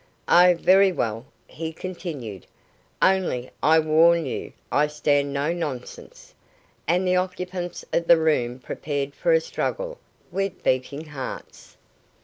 "Oh, very well," he continued, "only I warn you I stand no nonsense." And the occupants of the room prepared for a struggle, with beating hearts.